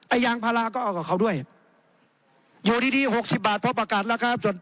ไอ้ยางพาราก็เอากับเขาด้วยอยู่ดี๖๐บาทพอประกาศราคาส่วน